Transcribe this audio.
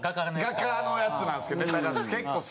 画家のやつなんですけどネタが。